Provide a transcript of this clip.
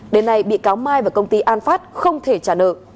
đến nay bị cáo mai và công ty an phát không thể trả nợ